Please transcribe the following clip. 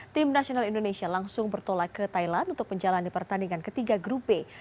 tim nasional indonesia langsung bertolak ke thailand untuk menjalani pertandingan ketiga grup b